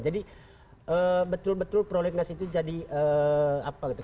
jadi betul betul plolek nas itu jadi apa gitu